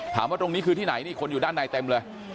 ตรงนี้คือที่ไหนนี่คนอยู่ด้านในเต็มเลย